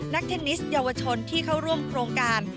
เทนนิสเยาวชนที่เข้าร่วมโครงการ